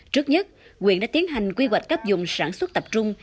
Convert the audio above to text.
trước nhất quyền đã tiến hành quy hoạch cấp dùng sản xuất tập trung